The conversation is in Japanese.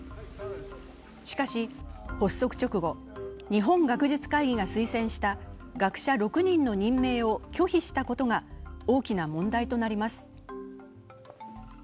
しかし発足直後、日本学術会議が推薦した学者６人の任命を拒否したことが大きな問題となります。